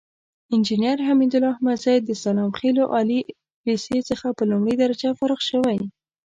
انجينر حميدالله احمدزى د سلام خيلو عالي ليسې څخه په لومړۍ درجه فارغ شوى.